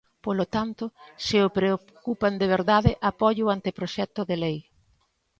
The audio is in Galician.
Polo tanto, se o preocupan de verdade, apoie o anteproxecto de lei.